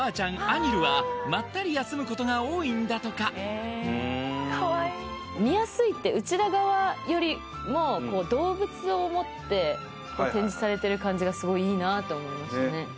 アニルはまったり休むことが多いんだとか見やすいってうちら側よりも感じがすごいいいなと思いましたね